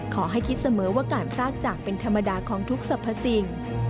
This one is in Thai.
ขอให้คิดเสมอว่าการพรากจากเป็นธรรมดาของทุกสรรพสิ่ง